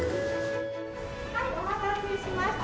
お待たせしました。